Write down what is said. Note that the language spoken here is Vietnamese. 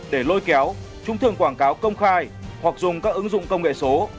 để lôi kéo chúng thường quảng cáo công khai hoặc dùng các ứng dụng công nghệ số